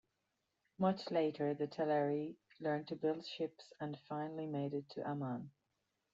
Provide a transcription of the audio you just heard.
Much later the Teleri learned to build ships, and finally made it to Aman.